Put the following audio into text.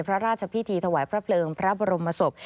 พระราชพิธีถวายพระเพลิงพระบรมศพ